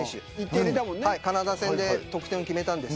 カナダ戦で得点を決めました。